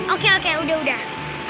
oke oke udah udah